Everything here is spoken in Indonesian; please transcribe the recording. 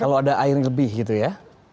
kalau ada air lebih gitu ya